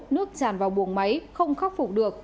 nước chàn vào buồng máy không khắc phục được